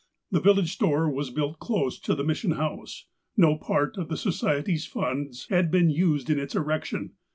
The village store was built close to the Mission House. No part of the Society's funds had been used in its erec tion.